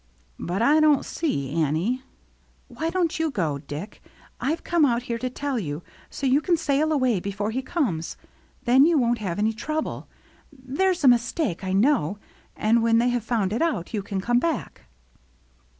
'*" But I don't see, Annie —"" Why don't you go, Dick. I've come out here to tell you, so you can sail away before he comes. Then you won't have any trouble. There's a mistake, I know; and when they have found it out, you can come back."